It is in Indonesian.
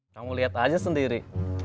kamu liat aja sendiri